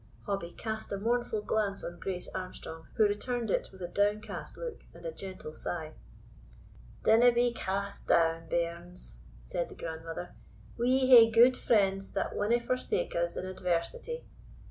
Hobbie cast a mournful glance on Grace Armstrong, who returned it with a downcast look and a gentle sigh. "Dinna be cast down, bairns," said the grandmother, "we hae gude friends that winna forsake us in adversity.